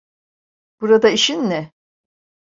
Burada işin ne?